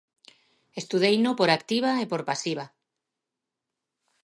Estudeino por activa e por pasiva.